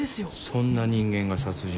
そんな人間が殺人を。